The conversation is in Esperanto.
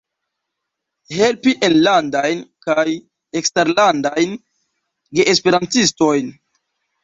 Helpi enlandajn kaj eksterlandajn geesperantistojn.